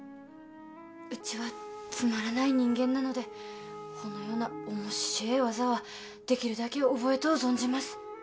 うちはつまらない人間なのでほのようなおもっしぇえ技はできるだけ覚えとう存じます